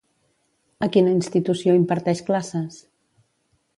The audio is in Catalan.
A quina institució imparteix classes?